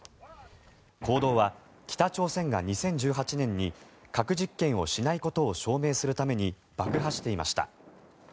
坑道は北朝鮮が２０１８年に核実験をしないことを証明するために爆破していました。